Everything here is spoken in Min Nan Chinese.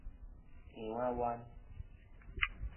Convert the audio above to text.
洋仔灣